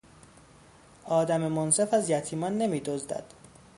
آدم منصف از یتیمان نمیدزدد.